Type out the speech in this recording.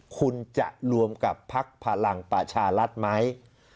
คุณจะรวมกับพักพลังประชารัฐไหม